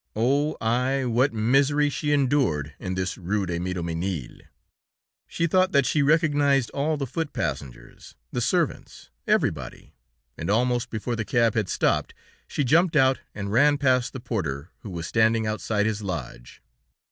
Oh! I What misery she endured in this Rue de Miromesnil! She thought that she recognized all the foot passengers, the servants, everybody, and almost before the cab had stopped, she jumped out and ran past the porter who was standing outside his lodge.